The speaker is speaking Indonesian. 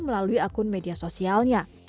melalui akun media sosialnya